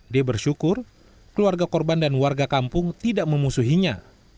d bersyukur keluarga korban dan warga kampung tidak memusuhinya